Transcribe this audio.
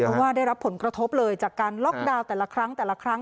เพราะว่าได้รับผลกระทบเลยจากการล็อกดาวน์แต่ละครั้งแต่ละครั้ง